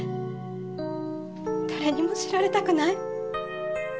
誰にも知られたくない。